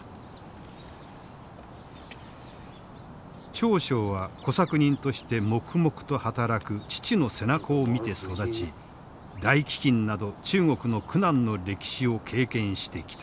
長祥は小作人として黙々と働く父の背中を見て育ち大飢饉など中国の苦難の歴史を経験してきた。